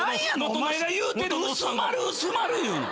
お前が言うてる「薄まる薄まる」いうの。